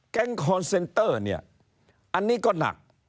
คอนเซนเตอร์เนี่ยอันนี้ก็หนัก